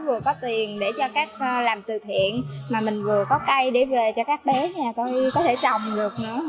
vừa có tiền để cho các làm từ thiện mà mình vừa có cây để về cho các bé nhà tôi có thể trồng được nữa